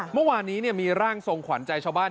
เมื่อวานนี้มีร่างทรงขวัญใจชาวบ้าน